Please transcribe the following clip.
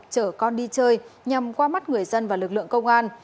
chở con đi chơi nhằm qua mắt người dân và lực lượng công an